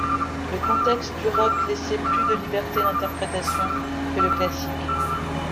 Le contexte du rock laissait plus de liberté d’interprétation que le classique.